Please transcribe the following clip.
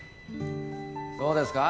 そうですか？